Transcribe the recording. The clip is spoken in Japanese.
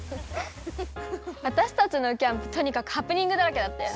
わたしたちのキャンプとにかくハプニングだらけだったよね。